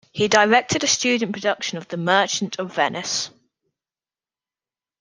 He directed a student production of "The Merchant of Venice".